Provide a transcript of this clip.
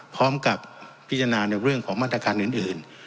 พร้อมกับพิจารณาในเรื่องของมาตรการอื่น